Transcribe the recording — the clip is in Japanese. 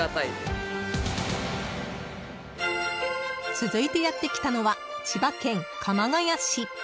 続いてやってきたのは千葉県鎌ケ谷市。